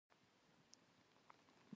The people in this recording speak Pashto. د باچا لور ته یې وویل.